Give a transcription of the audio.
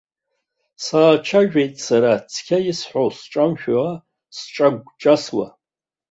Саацәажәеит сара, цқьа исҳәо сҿамшәауа, сҿагәаҿасуа.